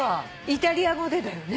イタリア語でだよね。